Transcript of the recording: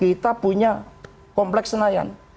kita punya kompleks senayan